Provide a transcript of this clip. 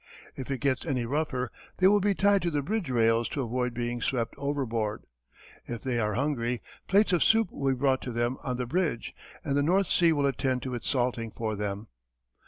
If it gets any rougher they will be tied to the bridge rails to avoid being swept overboard. If they are hungry, plates of soup will be brought to them on the bridge, and the North Sea will attend to its salting for them.